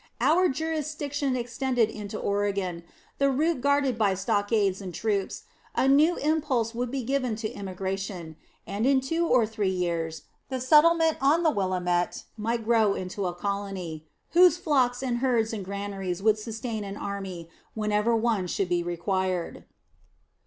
Our jurisdiction extended into Oregon, the route guarded by stockades and troops, a new impulse would be given to immigration: and in two or three years the settlement on the Willamette might grow into a colony, whose flocks and herds and granaries would sustain an army, whenever one should be required.